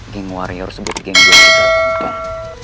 geng warrior sebut geng serigala ompong